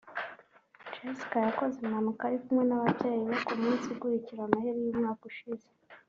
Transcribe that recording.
Jessica yakoze impanuka ari kumwe n’ababyeyi be ku munsi ukurikira noheli y’umwaka ushize